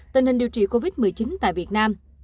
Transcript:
tình hình điều trị covid một mươi chín tại việt nam